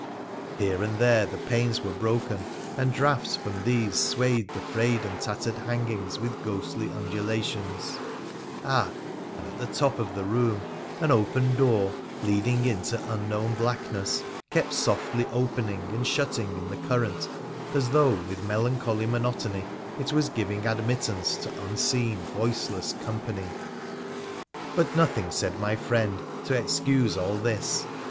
Here and there the panes were broken, and draughts from these swayed the frayed and tattered hangings with ghostly undulations — ah ! and at the top of the room an open door, leading into unknown blackness, kept softly opening and shutting in the current as though, with melancholy monotony, it was giving admittance to unseen, voiceless company. 268 WONDERFUL ADVENTURES OF But nothing said my friend to excuse all this.